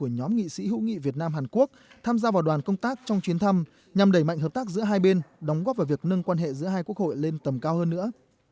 nhằm đẩy mạnh hợp tác giữa hai bên đóng góp vào việc nâng quan hệ giữa hai quốc hội lên tầm cao hơn nữa